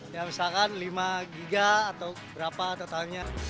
ya misalkan lima giga atau berapa totalnya